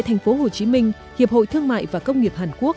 hồ chí minh hiệp hội thương mại và công nghiệp hàn quốc